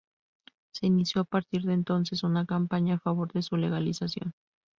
Se inició a partir de entonces una campaña a favor de su legalización.